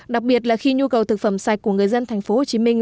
đặc biệt là khi nhu cầu thực phẩm sạch của người dân thành phố hồ chí minh